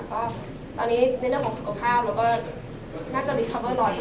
ก็ตอนนี้ในเรื่องของสุขภาพเราก็น่าจะรอดเฉพาะเสร็จแล้วนะครับ